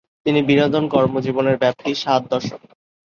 তিনি বিনোদন কর্মজীবনের ব্যপ্তি সাত দশক।